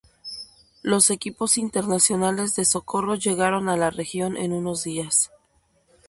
Los equipos internacionales de socorro llegaron a la región en unos días.